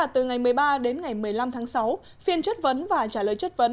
từ ngày một mươi ba đến ngày một mươi năm tháng sáu phiên chất vấn và trả lời chất vấn